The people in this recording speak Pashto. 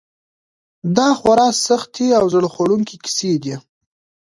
دا خورا سختې او زړه خوړونکې کیسې دي.